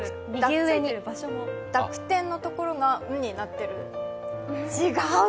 濁点のところが「ん」になってる。